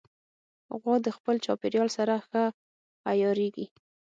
غوا د خپل چاپېریال سره ښه عیارېږي.